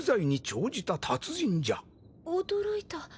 驚いた。